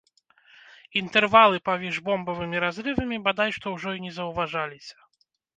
Інтэрвалы паміж бомбавымі разрывамі бадай што ўжо і не заўважаліся.